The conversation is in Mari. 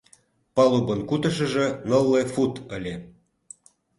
Палубын кутышыжо нылле фут ыле.